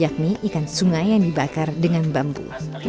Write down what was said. yakni ikan sungai yang dibakar dengan bambu